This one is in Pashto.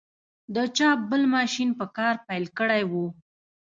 د چاپ بل ماشین په کار پیل کړی و.